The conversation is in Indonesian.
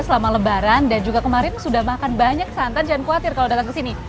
selama lebaran dan juga kemarin sudah makan banyak santan jangan khawatir kalau datang ke sini